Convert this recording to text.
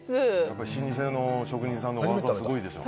やっぱり老舗の職人さんの技はすごいでしょ。